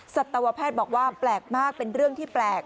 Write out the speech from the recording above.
สัตวแพทย์บอกว่าแปลกมากเป็นเรื่องที่แปลก